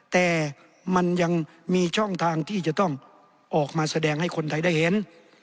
แต่มันยังมีช่องทางที่จะต้องออกมาแสดงให้คนไทยได้เห็น